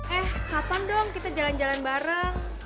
eh kapan dong kita jalan jalan bareng